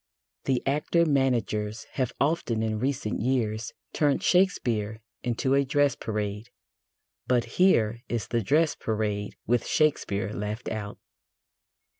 The actor managers have often in recent years turned Shakespeare into a dress parade, but here is the dress parade with Shakespeare left out.